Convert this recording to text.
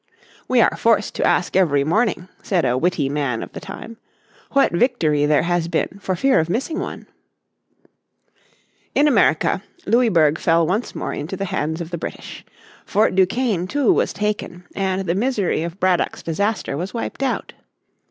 "We are forced to ask every morning," said a witty man of the time, "what victory there has been for fear of missing one." In America Louisburg fell once more into the hands of the British. Fort Duquesne too was taken, and the misery of Braddock's disaster was wiped out.